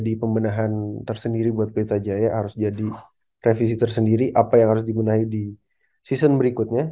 jadi pembenahan tersendiri buat pelita jaya harus jadi revisitor sendiri apa yang harus digunai di season berikutnya